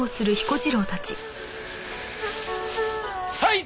はい！